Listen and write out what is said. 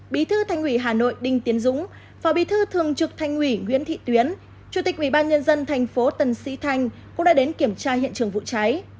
bí thư tành hủy hà nội đinh tiến dũng phó bí thư thường trực tành hủy nguyễn thị tuyến chủ tịch ubnd tp tân sĩ thanh cũng đã đến kiểm tra hiện trường vụ cháy